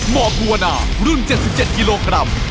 หมอภูวนารุ่น๗๗กิโลกรัม